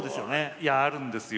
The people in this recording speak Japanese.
いやあるんですよ